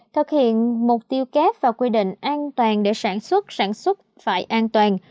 thực hiện mục tiêu kép và quy định an toàn để sản xuất sản xuất phải an toàn